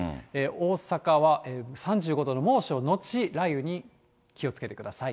大阪は３５度の猛暑後雷雨に気をつけてください。